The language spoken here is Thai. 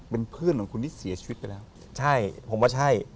เป็นเพื่อนของคุณที่เสียชีวิตไปแล้วใช่ผมว่าใช่